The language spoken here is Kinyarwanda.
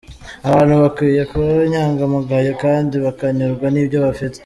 Abantu bakwiye kuba inyangamugayo kandi bakanyurwa n’ibyo bafite."